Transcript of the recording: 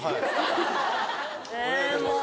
え。